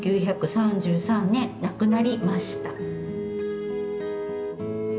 １９３３年なくなりました」。